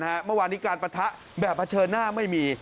เมื่อวานนี้การปะทะแบบเผชิญหน้าไม่มี